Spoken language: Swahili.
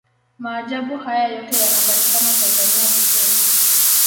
maajabu haya yote yanapatikana tanzania pekee